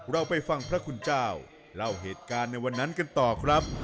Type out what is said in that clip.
เราไปฟังพระคุณเจ้าเล่าเหตุการณ์ในวันนั้นกันต่อครับ